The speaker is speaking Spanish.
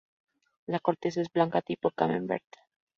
La corteza es blanca, tipo camembert.